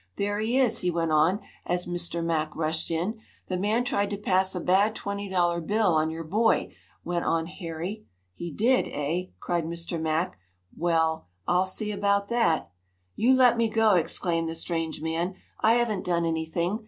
"There he is!" he went on, as Mr. Mack rushed in. "That man tried to pass a bad twenty dollar bill on your boy," went on Harry. "He did, eh?" cried Mr. Mack. "Well, I'll see about that!" "You let me go!" exclaimed the strange man. "I haven't done anything.